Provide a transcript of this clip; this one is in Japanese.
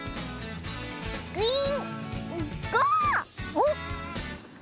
おっ。